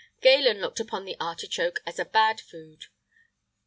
[IX 96] Galen[IX 97] looked upon the artichoke as a bad food.